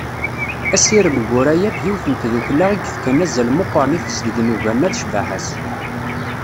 Asirem Guraya d yiwet n tdukkla i yefkan azal meqqren i tezdeg n ugema d ccbaḥa-s.